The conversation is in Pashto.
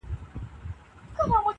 چا له وني څخه وکړله پوښتنه-